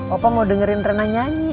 opa mau dengerin reina nyanyi